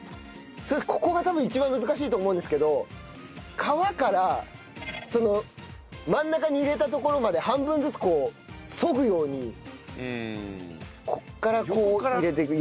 それでここが多分一番難しいと思うんですけど皮から真ん中に入れたところまで半分ずつこうそぐようにここからこう入れてく。